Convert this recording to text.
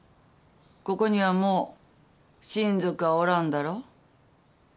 ここにはもう親族はおらんだろう？